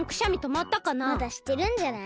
まだしてるんじゃない？